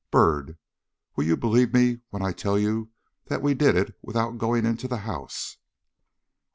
Byrd, will you believe me when I tell you that we did it without going into the house?"